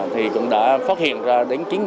thì cũng đã phát hiện ra đến